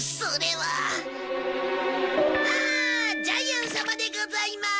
ははあジャイアン様でございます！